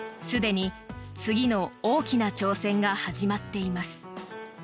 すでに次の大きな挑戦が始まっています。